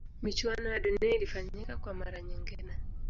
michuano ya dunia ilifanyika kwa mara nyingine